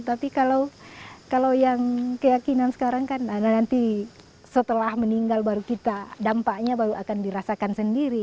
tapi kalau yang keyakinan sekarang kan nanti setelah meninggal baru kita dampaknya baru akan dirasakan sendiri